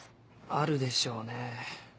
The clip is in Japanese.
あるでしょうね。